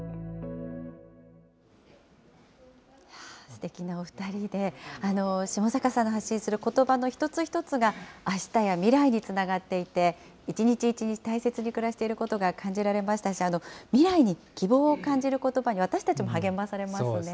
すてきなお２人で、下坂さんの発信することばの一つ一つがあしたや未来につながっていて、一日一日、大切に暮らしていることが感じられましたし、未来に希望を感じることばに私たちも励まされますね。